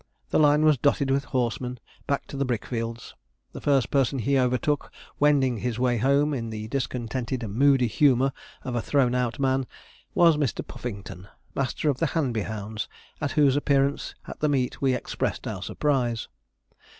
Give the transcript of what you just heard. The line was dotted with horsemen back to the brick fields. The first person he overtook wending his way home in the discontented, moody humour of a thrown out man, was Mr. Puffington master of the Hanby hounds; at whose appearance at the meet we expressed our surprise.